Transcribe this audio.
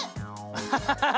ハハハハハ。